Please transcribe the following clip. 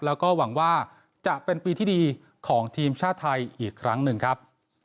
แล้วก็หวังว่าจะเป็นปีที่ดีของทีมชาติไทยอีกครั้งหนึ่งครับ